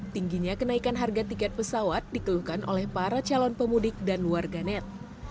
tingginya kenaikan harga tiket pesawat dikeluhkan oleh para calon pemudik dan warganet